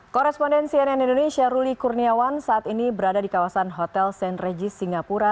korespondensi nn indonesia ruli kurniawan saat ini berada di kawasan hotel st regis singapura